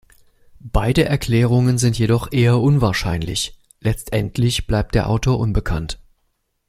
Beide Erklärungen sind jedoch eher unwahrscheinlich; letztendlich bleibt der Autor unbekannt.